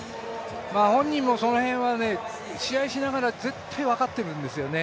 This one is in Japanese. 本人もその辺は試合しながら絶対分かってるんですよね